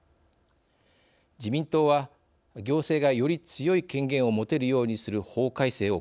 自民党は行政がより強い権限を持てるようにする法改正を行う。